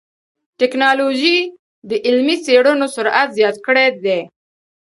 ټکنالوجي د علمي څېړنو سرعت زیات کړی دی.